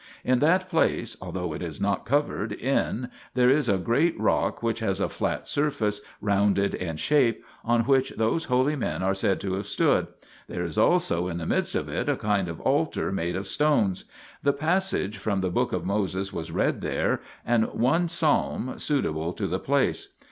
1 In that place, although it is not covered in, there is a great rock which has a flat surface, rounded in shape, on which those holy men are said to have stood ; there is also in the midst of it a kind of altar made of stones. The passage from the book of Moses was read there, and one psalm, suitable to the place.